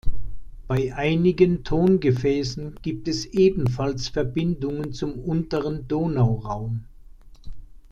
Bei einigen Tongefäßen gibt es ebenfalls Verbindungen zum unteren Donauraum.